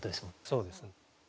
そうですね。